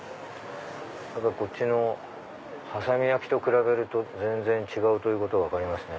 こっちの波佐見焼と比べると全然違うということは分かりますね。